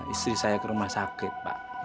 istri saya ke rumah sakit pak